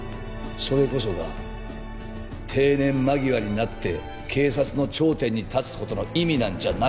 それこそが定年間際になって警察の頂点に立つ事の意味なんじゃないのか？